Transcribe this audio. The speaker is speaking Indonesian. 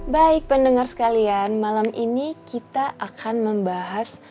baik pendengar sekalian malam ini kita akan membahas